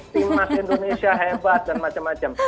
timnas indonesia hebat dan macam macam